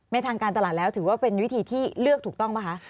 ทางการตลาดแล้วถือว่าเป็นวิธีที่เลือกถูกต้องป่ะคะ